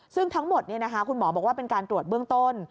ซึ่งทั้งหมดคุณหมอบอกว่าเป็นการตรวจเบื้องต้น